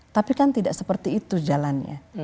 tapi kan tidak seperti itu jalannya